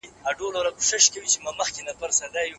دا د يوسف سورت رمزونه او انګيزې دي.